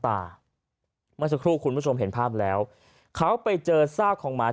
เมื่อสักครู่คุณผู้ชมเห็นภาพแล้วเขาไปเจอซากของหมา